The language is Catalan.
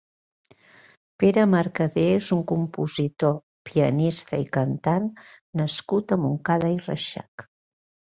Pere Mercader és un compositor, pianista i cantant nascut a Montcada i Reixac.